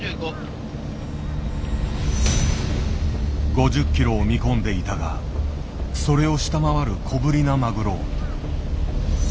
５０ｋｇを見込んでいたがそれを下回る小ぶりなマグロ。